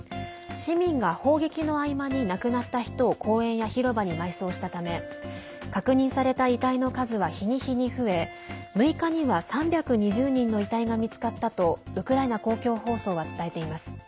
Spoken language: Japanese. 市民が砲撃の合間に亡くなった人を公園や広場に埋葬したため確認された遺体の数は日に日に増え、６日には３２０人の遺体が見つかったとウクライナ公共放送は伝えています。